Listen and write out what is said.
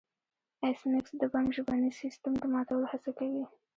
ایس میکس د بم د ژبني سیستم د ماتولو هڅه کوي